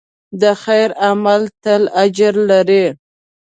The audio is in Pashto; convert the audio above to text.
د خیر عمل تل اجر لري.